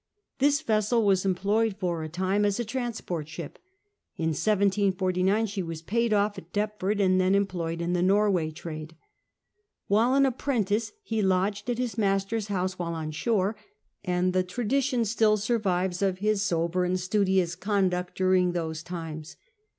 This vessel was employed for a time as II m THE WHITBV TRADE ^3 a transport ship. In 1749 she was paid off at Deptford, and then employed in the Norway trade. While an apprentice, he lodged at his master's house while on shore, and the tradition still survives of his sober and studious conduct during those times.